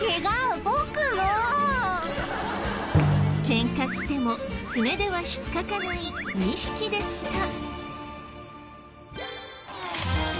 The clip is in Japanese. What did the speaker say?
ケンカしても爪では引っかかない２匹でした。